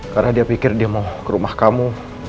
karena dia pikir dia mau ke rumah kamu